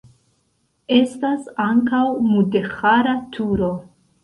Estas ankaŭ mudeĥara turo.